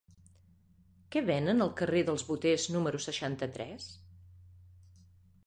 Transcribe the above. Què venen al carrer dels Boters número seixanta-tres?